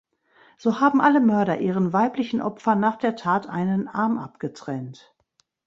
So haben alle Mörder ihren weiblichen Opfern nach der Tat einen Arm abgetrennt.